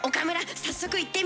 早速言ってみて。